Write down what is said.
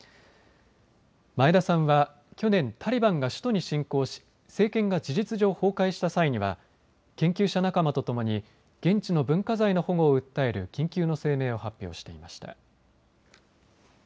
前田さんは去年タリバンが首都に進攻し政権が事実上崩壊した際には、研究者仲間とともに現地の文化財の保護を訴える緊急の声明を発表していました。